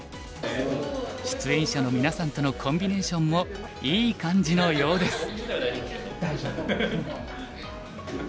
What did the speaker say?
出演者のみなさんとのコンビネーションもいい感じのようです。